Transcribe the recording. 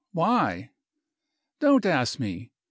"Why?" "Don't ask me!